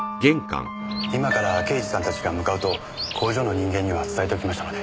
今から刑事さんたちが向かうと工場の人間には伝えておきましたので。